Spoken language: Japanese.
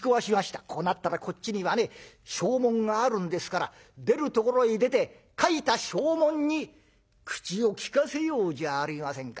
こうなったらこっちにはね証文があるんですから出るところへ出て書いた証文に口を利かせようじゃありませんか」